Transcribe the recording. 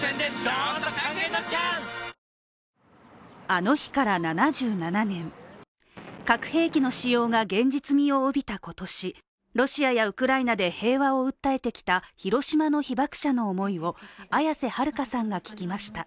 あの日から７７年、核兵器の使用が現実味を帯びた今年、ロシアやウクライナで平和を訴えてきたヒロシマの被爆者の思いを綾瀬はるかさんが聞きました。